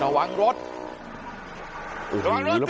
ระวังรถระวังรถ